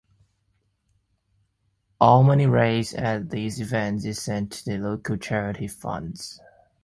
All money raised at these events is sent to local charity funds.